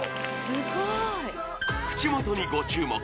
すごーい口元にご注目